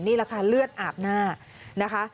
นี่แหละค่ะเลือดอาบหน้านะคะ